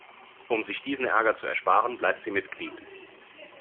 Um sich diesen Ärger zu ersparen, bleibt sie Mitglied.